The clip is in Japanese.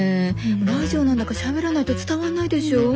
ラジオなんだからしゃべらないと伝わんないでしょ。